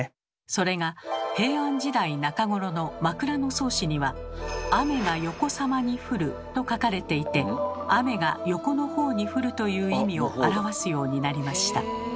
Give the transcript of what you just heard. それが平安時代中頃の「枕草子」には「雨がよこさまに降る」と書かれていて「雨が横のほうに降る」という意味を表すようになりました。